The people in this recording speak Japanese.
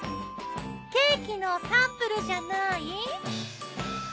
ケーキのサンプルじゃない？